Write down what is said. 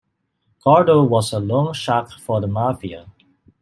Grado was a loan shark for the mafia.